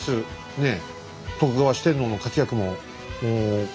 ねえ。